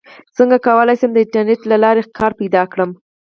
څنګه کولی شم د انټرنیټ له لارې کار پیدا کړم